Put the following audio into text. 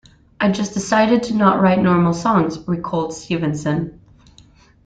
"I just decided to not write normal songs", recalled Stevenson.